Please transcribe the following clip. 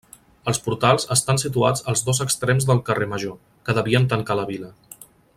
Els Portals estan situats als dos extrems del carrer Major, que devien tancar la vila.